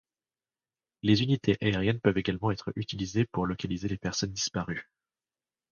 Les unités aériennes peuvent également être utilisées pour localiser les personnes disparues.